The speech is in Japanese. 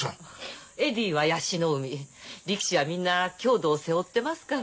エディは椰子の海力士はみんな郷土を背負ってますから。